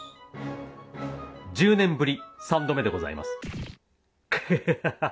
１０年ぶり３度目でございます。